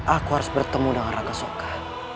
aku harus bertemu dengan raga soka